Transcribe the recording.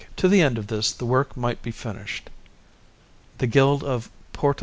To the end that this work might be finished, the Guild of Porta S.